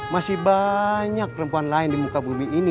masih banyak perempuan lain di muka bumi ini